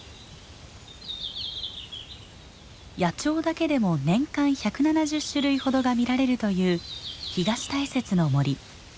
野鳥だけでも年間１７０種類ほどが見られるという東大雪の森。